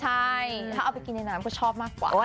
ใช่ถ้าเอาไปกินในน้ำก็ชอบมากกว่า